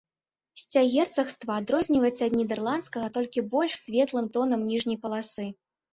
Сцяг герцагства адрозніваецца ад нідэрландскага толькі больш светлым тонам ніжняй паласы.